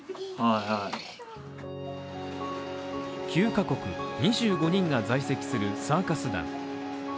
９カ国２５人が在籍するサーカス団。